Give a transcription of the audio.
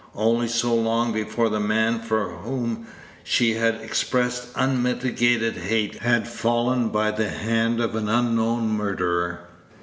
only so long before the man for whom she had expressed unmitigated hate had fallen by the hand of an unknown murderer?